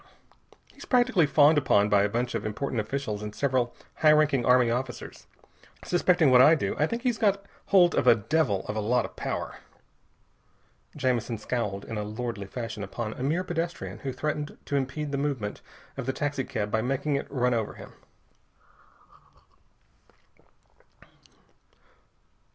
"He's practically fawned upon by a bunch of important officials and several high ranking army officers. Suspecting what I do, I think he's got hold of a devil of a lot of power." Jamison scowled in a lordly fashion upon a mere pedestrian who threatened to impede the movement of the taxicab by making it run over him.